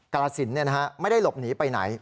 กลสินเนี่ยนะฮะไม่ได้หลบหนีไปไหน